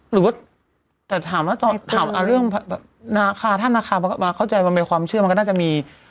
หรือว่าแต่ถามว่าเรื่องนาคาท่านนาคาเข้าใจมันเป็นความเชื่อมันก็น่าจะมี